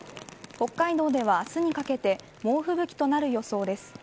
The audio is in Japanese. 北海道では明日にかけて猛吹雪となる予想です。